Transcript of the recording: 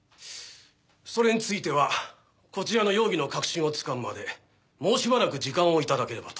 それについてはこちらの容疑の核心をつかむまでもうしばらく時間を頂ければと。